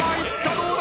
どうだ！？